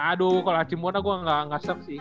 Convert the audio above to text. aduh kalau haci mwona gue nggak seks sih